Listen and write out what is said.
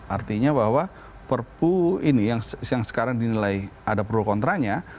artinya bahwa perpu ini yang sekarang dinilai ada pro kontranya